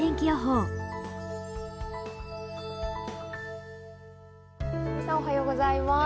藤富さん、おはようございます。